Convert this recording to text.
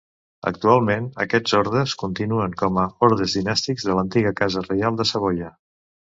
Actualment, aquests ordes continuen com a ordes dinàstics de l'antiga Casa Reial de Savoia.